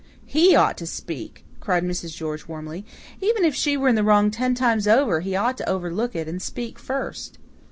"HE ought to speak," cried Mrs. George warmly. "Even if she were in the wrong ten times over, he ought to overlook it and speak first."